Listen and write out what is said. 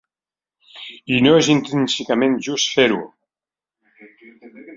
I no és intrínsecament just fer-ho.